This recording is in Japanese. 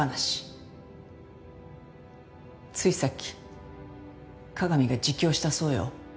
ついさっき加賀見が自供したそうよ。